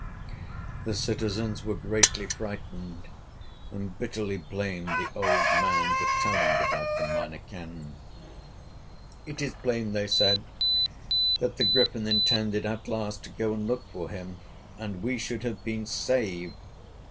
The citizens were greatly frightened, and bitterly blamed the old man for telling about the Minor Canon. "It is plain," they said, "that the Griffin intended at last to go and look for him, and we should have been saved.